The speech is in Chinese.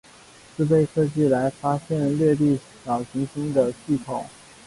是被设计来发现掠地小行星的系统。